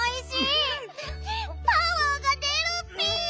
パワーが出るッピ！